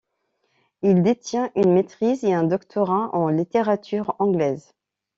Il détient une maîtrise et un doctorat en littérature anglaise.